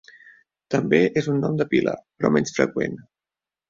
També és un nom de pila, però menys freqüent.